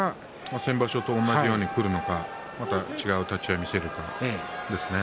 先場所と同じようにくるのか、また違う立ち合いを見せるかですね。